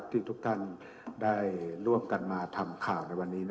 ทุกท่านได้ร่วมกันมาทำข่าวในวันนี้